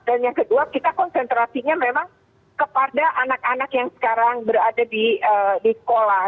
dan yang kedua kita konsentrasinya memang kepada anak anak yang sekarang berada di sekolah